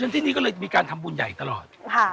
ชื่องนี้ชื่องนี้ชื่องนี้ชื่องนี้ชื่องนี้